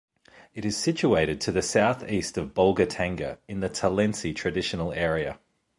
It is situated to the south-east of Bolgatanga, in the Tallensi Traditional Area.